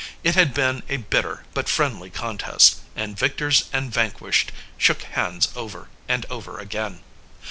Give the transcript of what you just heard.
It had been a bitter but friendly contest, and victors and vanquished shook hands over and over again.